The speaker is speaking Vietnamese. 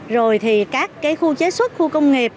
rồi thì các cái khu chế xuất khu công nghiệp